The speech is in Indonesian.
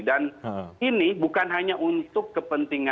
dan ini bukan hanya untuk kepentingan